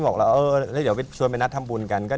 มาแล้วเอออืมชวนไปนัดทำบุญกัน